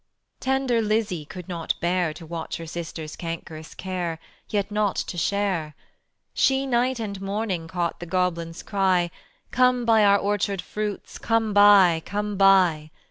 Tender Lizzie could not bear To watch her sister's cankerous care, Yet not to share. She night and morning Caught the goblins' cry: "Come buy our orchard fruits, Come buy, come buy."